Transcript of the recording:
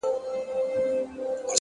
اراده د ستونزو له منځه لار جوړوي,